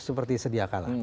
seperti sedia kalah